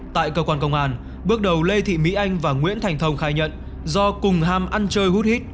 tại cơ quan công an bước đầu lê thị mỹ anh và nguyễn thành thông khai nhận do cùng ham ăn chơi hút hít